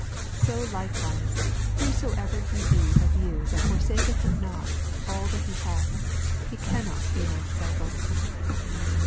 "" 33 So likewise, whosoever he be of you that forsaketh not all that he hath, he cannot be my disciple.